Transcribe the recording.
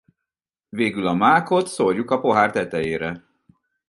Végül a mákot szórjuk a pohár tetejére.